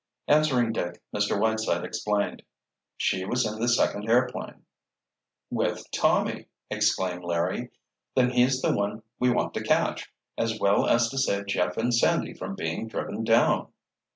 Answering Dick, Mr. Whiteside explained. "She was in the second airplane." "With Tommy!" exclaimed Larry. "Then he's the one we want to catch, as well as to save Jeff and Sandy from being driven down."